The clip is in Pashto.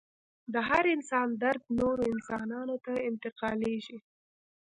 د هر انسان درد نورو انسانانو ته انتقالیږي.